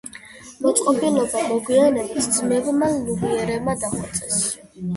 მოწყობილობა მოგვიანებით ძმებმა ლუმიერებმა დახვეწეს.